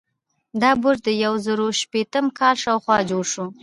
دا برج د یو زرو شپیتم کال شاوخوا جوړ شو.